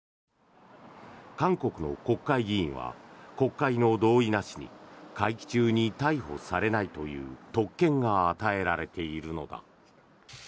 韓国の国会議員は国会の同意なしに会期中に逮捕されないという特権が与えられているのだ。